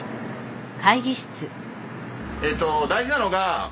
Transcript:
えっと大事なのが。